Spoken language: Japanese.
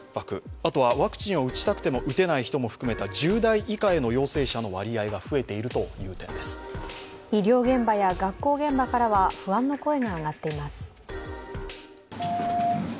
あとはワクチンを打ちたくても打てない人を含めた１０代以下へのワクチン医療現場や学校現場からは不安の声が上がっています。